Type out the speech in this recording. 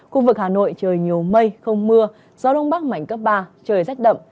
khu vực hà nội trời nhiều mây không mưa gió đông bắc mạnh cấp ba trời rét đậm